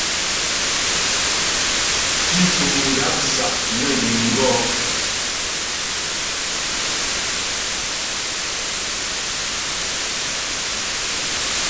Tísuŋ yáp sák nə ghíŋ gɔ̌.